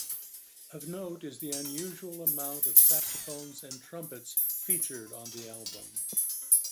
Of note is the unusual amount of saxophones and trumpets featured on the album.